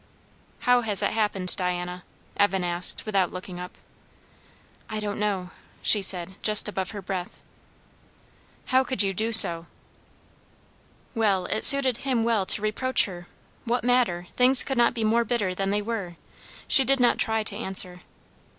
"How has it happened, Diana?" Evan asked without looking up. "I don't know," she said just above her breath. "How could you do so?" Well, it suited him well to reproach her! What matter? Things could not be more bitter than they were. She did not try to answer.